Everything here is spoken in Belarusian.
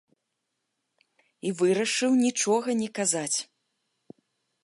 І вырашыў нічога не казаць.